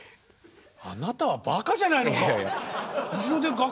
あなたはバカじゃないのか。